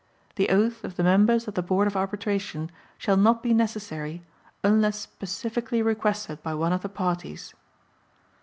The oath of the members of the Board of Arbitration shall not be necessary unless specifically requested by one of the parties.